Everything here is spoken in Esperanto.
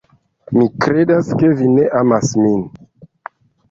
Mi kredas ke vi ne amas min.